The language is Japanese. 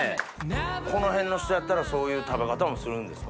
この辺の人やったらそういう食べ方もするんですか？